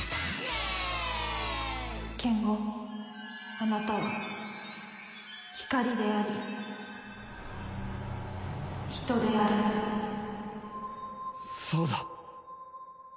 あなたは光であり人であるそうだ。